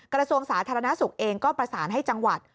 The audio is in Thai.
กระทรวงสาธารณสุขเองก็ประสานให้จังหวัด